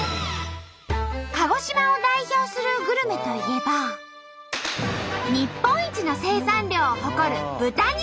鹿児島を代表するグルメといえば日本一の生産量を誇る豚肉。